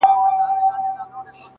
ما په لومړي ځل بعاوت سره لټې کړې ده!